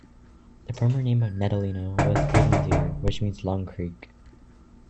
The former name of Nedelino was "Uzundere" which meaning "Long Creek"...